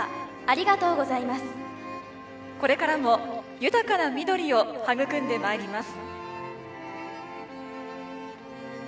これからも豊かな緑を育んでまいります。